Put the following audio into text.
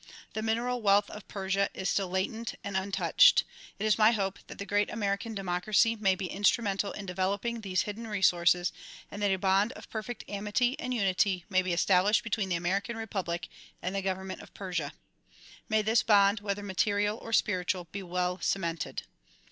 The mineral wealth of Persia is still latent and untouched. It is my hope that the great American democracy may be instrumental in developing these hidden resources and that a bond of perfect amity and unity may be established between the American republic and the government of Persia. INIay this bond whether material or spiritual be well cemented.